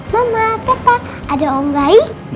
mama papa ada om baik